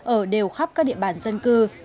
ở đều khắp các địa bàn dân cư